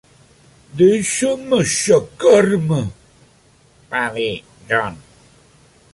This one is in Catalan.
"Deixa'm aixecar-me", va dir John.